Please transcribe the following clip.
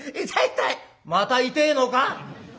「また痛えのか？」。